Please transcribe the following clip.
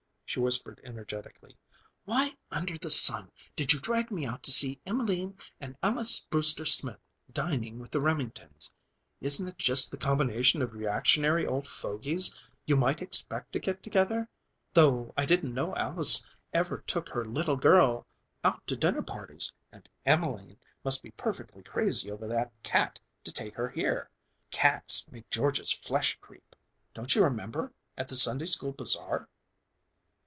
she whispered energetically. "Why under the sun did you drag me out to see Emelene and Alys Brewster Smith dining with the Remingtons? Isn't it just the combination of reactionary old fogies you might expect to get together... though I didn't know Alys ever took her little girl out to dinner parties, and Emelene must be perfectly crazy over that cat to take her here. Cats make George's flesh creep. Don't you remember, at the Sunday School Bazaar."